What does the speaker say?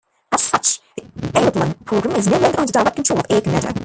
As such, the Aeroplan program is no longer under direct control of Air Canada.